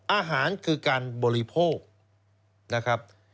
อาหารคือการบริโภคนะครับ